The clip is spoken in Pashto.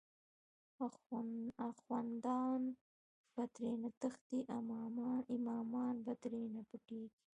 آخوندان به ترینه تښتی، امامان به تری پټیږی